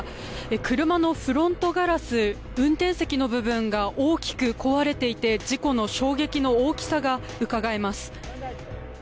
車のフロントガラス運転席の部分が大きく壊れていて事故の衝撃の大きさがうかがえます。